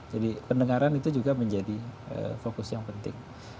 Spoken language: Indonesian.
jadi pendengaran itu juga menjadi fokus yang penting